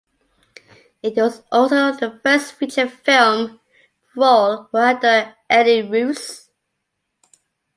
It was also the first feature film role for actor Eddie Rouse.